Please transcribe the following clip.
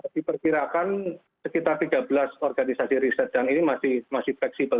diperkirakan sekitar tiga belas organisasi riset dan ini masih fleksibel